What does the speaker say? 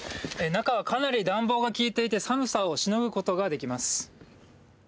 中はかなり暖房が効いていて、寒さをしのぐことができます。